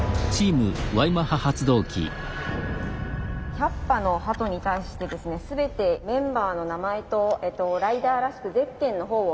１００羽の鳩に対してですね全てメンバーの名前とライダーらしくゼッケンのほうを。